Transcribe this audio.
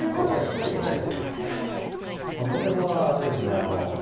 これはあれですね。